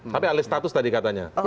tapi alih status tadi katanya